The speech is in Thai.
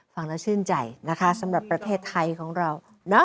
ฟังแล้วชื่นใจนะคะสำหรับประเทศไทยของเรา